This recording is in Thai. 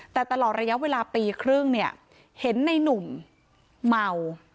แต่ตลอดระยะเวลาปีครึ่งเนี่ยเห็นในนุ่มเมา